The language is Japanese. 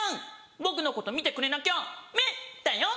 僕のこと見てくれなきゃメッ！だよ」。